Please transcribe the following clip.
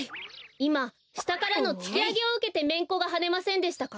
いましたからのつきあげをうけてめんこがはねませんでしたか？